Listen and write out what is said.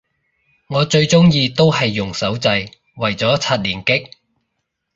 我最鍾意都係用手掣為咗刷連擊